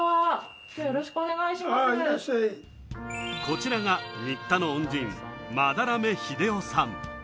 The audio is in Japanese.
こちらが新田の恩人・班目秀雄さん。